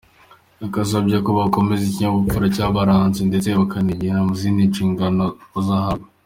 Yabasabye ko bakomeza ikinyabupfura cyabaranze ndetse bakanabigaragaza muzindi nshingano bazahabwa.